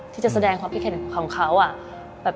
ที่จะแสดงความคิดเห็นของเขา